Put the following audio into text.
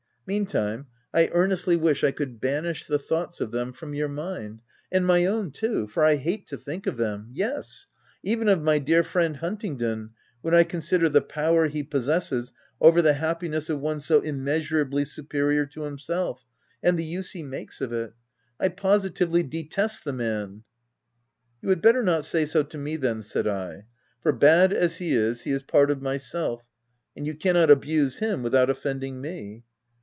Meantime, I earnestly wish I could banish the thoughts of them from your mind — and my own too, for I hate to think of them — yes — even of my dear friend Huntingdon, when I consider the power he possesses over the happiness of one so immeasurably superior to himself, and the use he makes of it — I positively detest the man! 1 *" You had better not say so to me, then," said I ;" for, bad as he is, he is part of myself, and you cannot abuse him without offending n me.